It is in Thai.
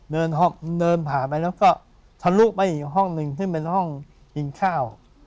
เดินผ่าไปแล้วก็ทะลุไปอีกห้องหนึ่งซึ่งเป็นห้องกินข้าว